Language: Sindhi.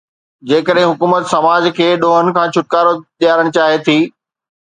جيڪڏهن حڪومت سماج کي ڏوهن کان ڇوٽڪارو ڏيارڻ چاهي ٿي.